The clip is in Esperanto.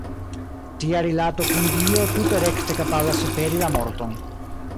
Tia rilato kun Dio tute rekte kapablas superi la morton.